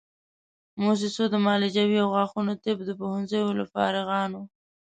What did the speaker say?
موسسو د معالجوي او غاښونو طب د پوهنځیو له فارغانو